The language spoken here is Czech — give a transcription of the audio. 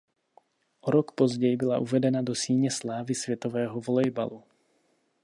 O rok později byla uvedena do Síně slávy světového volejbalu.